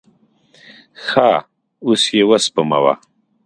ښه، اوس یی وسپموه